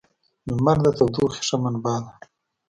• لمر د تودوخې ښه منبع ده.